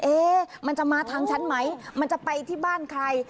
มันจะมาทางฉันไหมมันจะไปที่บ้านใคร